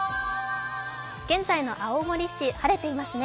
現在の青森市晴れていますね。